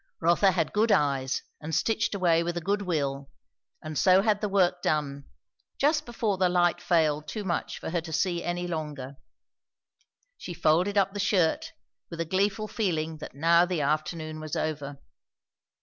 Rotha had good eyes and stitched away with a good will; and so had the work done, just before the light failed too much for her to see any longer. She folded up the shirt, with a gleeful feeling that now the afternoon was over.